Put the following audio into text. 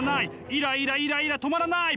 イライライライラ止まらない！